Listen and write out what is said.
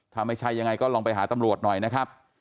ถ้าไม่ใช่ยังไงก็ลองไปหาตำรวจหน่อยนะครับ